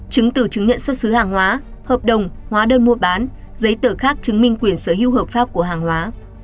chứng từ chứng nhận xuất xứ hàng hóa hợp đồng hóa đơn mua bán giấy tờ khác chứng minh quyền sở hữu hợp pháp của hàng hóa